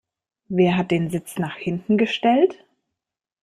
Wer hat den Sitz nach hinten gestellt?